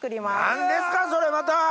何ですかそれまた！